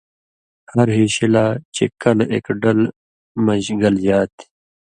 ہر ہیشی لا چے کلہۡ اېک ڈلہ (مژ) گلژا تھی،